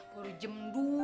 baru jam dua